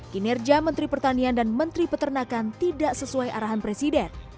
kinerja menteri pertanian dan menteri peternakan tidak sesuai arahan presiden